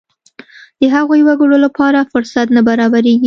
د هغو وګړو لپاره فرصت نه برابرېږي.